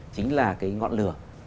chính là cái ngọn lửa